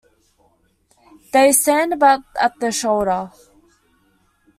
They stand about at the shoulder.